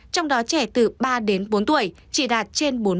trong đó trẻ từ ba đến bốn tuổi chỉ đạt trên bốn mươi